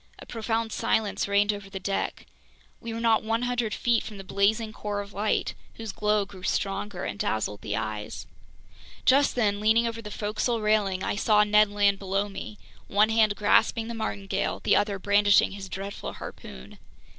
A profound silence reigned over the deck. We were not 100 feet from the blazing core of light, whose glow grew stronger and dazzled the eyes. Just then, leaning over the forecastle railing, I saw Ned Land below me, one hand grasping the martingale, the other brandishing his dreadful harpoon.